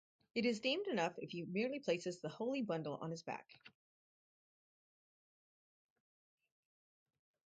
It is deemed enough if he merely places the holy bundle on his back.